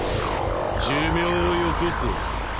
寿命をよこせ？